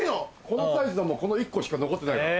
このサイズはもうこの１個しか残ってないから。